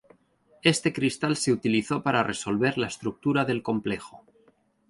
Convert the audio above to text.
Este cristal se utilizó para resolver la estructura del complejo.